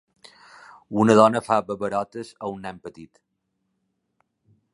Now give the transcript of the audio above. Una dona fa babarotes a un nen petit.